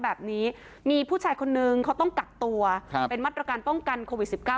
แบบนี้มีผู้ชายคนนึงเขาต้องกักตัวเป็นมาตรการป้องกันโควิด๑๙